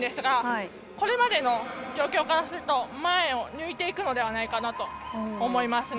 これまでの状況からすると前を抜いていくのではないかなと思いますね。